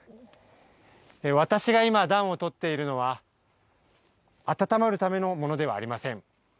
私が今、暖を取っているのはあたたまるためのものではありません。